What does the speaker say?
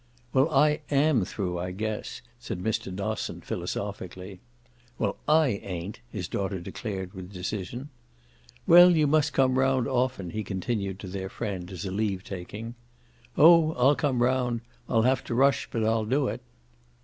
"Well, I AM through, I guess," said Mr. Dosson philosophically. "Well, I ain't!" his daughter declared with decision. "Well, you must come round often," he continued to their friend as a leave taking. "Oh, I'll come round! I'll have to rush, but I'll do it."